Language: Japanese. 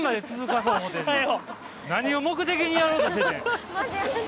何を目的にやろうとしてんねん！